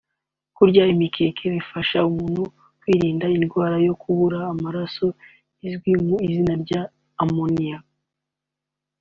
Kurya imineke bifasha umuntu kwirinda indwara yo kubura amaraso izwi ku izina rya (anaemia)